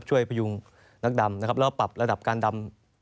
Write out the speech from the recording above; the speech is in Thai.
ช่วยปะยุงนักดำแล้วก็ปรับระดับการดำ